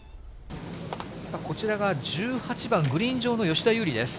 こちらが１８番、グリーン上の吉田優利です。